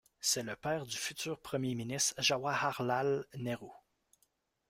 C'est le père du futur premier ministre Jawaharlal Nehru.